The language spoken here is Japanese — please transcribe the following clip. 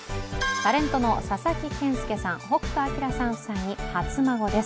タレントの佐々木健介さん、北斗晶さん夫妻に、初孫です。